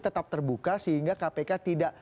tetap terbuka sehingga kpk tidak